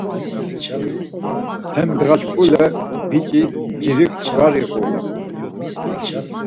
Hem ndğa şkule biç̌i ncirik var iğu.